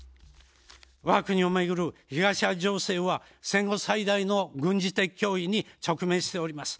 わが国をめぐる東アジア情勢は戦後最大の軍事的脅威に直面しております。